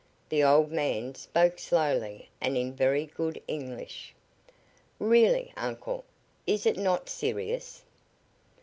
The old man spoke slowly and in very good English. "Really, Uncle, is it not serious?"